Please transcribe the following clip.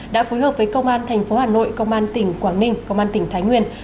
đã phối hợp với công an tp hà nội công an tỉnh quảng ninh công an tỉnh thái nguyên